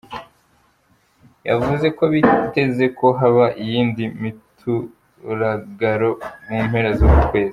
Yavuze ko biteze ko haba iyindi mituragaro mu mpera z'uku kwezi.